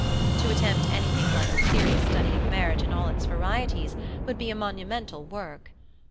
To attempt anything i like a serious study of marriage in all its varieties ; would be a monumental work.